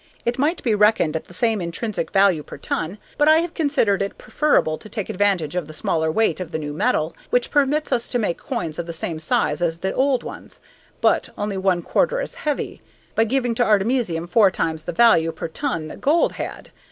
It might be reckoned at the same intrinsic value per ton, but I have considered it preferable to take advantage of the smaller weight of the new metal, which permits us to make coins of the same size as the old ones, but only one quarter as heavy, by giving to artemisium four times the value per ton that gold had.